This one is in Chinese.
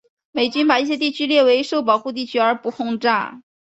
美军把一些地区列为受保护地区而不轰炸。